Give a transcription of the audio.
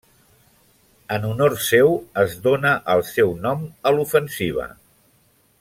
En honor seu es dóna el seu nom a l’ofensiva.